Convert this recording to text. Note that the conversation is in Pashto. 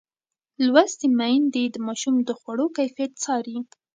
لوستې میندې د ماشوم د خواړو کیفیت څاري.